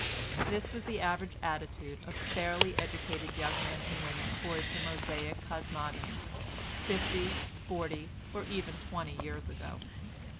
This was the average attitude of fairly educated young men and women towards the Mosaic cosmogony fifty, forty, or even twenty years ago.